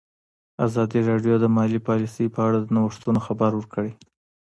ازادي راډیو د مالي پالیسي په اړه د نوښتونو خبر ورکړی.